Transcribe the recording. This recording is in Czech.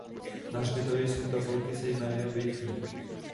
Na hřbitově jsou tabulky se jmény obětí.